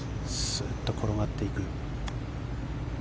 スーッと転がっていく。